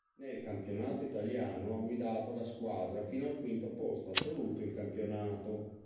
Nel campionato italiano ha guidato la squadra fino al quinto posto assoluto in campionato.